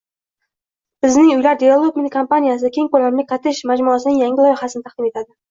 Bizning Uylar Development kompaniyasi keng ko‘lamli kottej majmuasining yangi loyihasini taqdim etadi